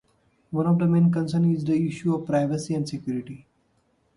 One of the main concerns is the issue of privacy and security.